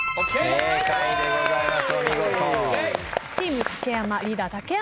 正解でございます。